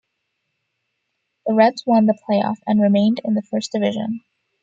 The Reds won the play-off and remained in the first division.